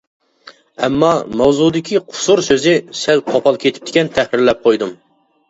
ئەمما، ماۋزۇدىكى «قۇسۇر» سۆزى سەل قوپال كېتىپتىكەن، تەھرىرلەپ قويدۇم.